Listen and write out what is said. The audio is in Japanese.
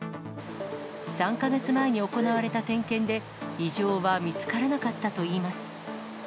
３か月前に行われた点検で、異常は見つからなかったといいます。